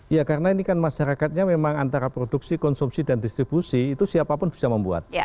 ya karena ini kan masyarakatnya memang antara produksi konsumsi dan distribusi itu siapapun bisa membuat